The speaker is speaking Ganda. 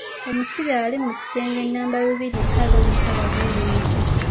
Omusibe ali mu kisenge nnamba bibiri nkaaga mu mukaaga genda omute.